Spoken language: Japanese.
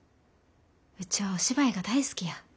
うちはお芝居が大好きや。